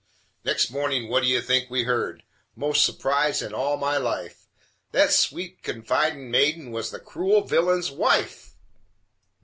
Next mornin' what d' you think we heard? Most s'prised in all my life! That sweet, confidin' maiden was the cruel villain's wife!